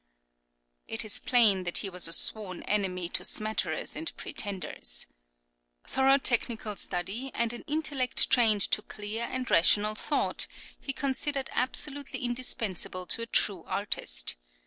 It is plain that he was a sworn enemy to smatterers and pretenders. Thorough technical study and an intellect trained to clear and rational thought he considered absolutely indispensable to a true artist.